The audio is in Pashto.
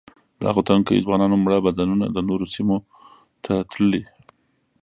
د هغو تنکیو ځوانانو مړه بدنونه د نورو سیمو ته تللي.